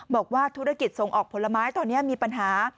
บอกว่าธุรกิจส่งออกผลไม้ตอนนี้มีปัญหา